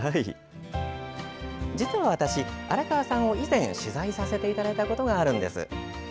実は私、荒川さんを以前取材させていただいたことがあるんです。